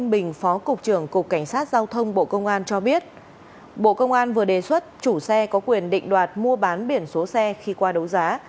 bộ công an vừa đề xuất chủ xe có quyền định đoạt mua bán biển số xe khi qua đấu giá